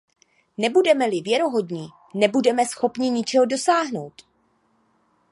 Nebudeme-li věrohodní, nebudeme schopni ničeho dosáhnout.